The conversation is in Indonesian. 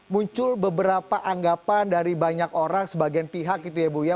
muncul beberapa anggapan dari banyak orang sebagian pihak gitu ya bu ya